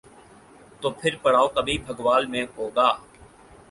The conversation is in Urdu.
تو پھر پڑاؤ کبھی بھگوال میں ہو گا۔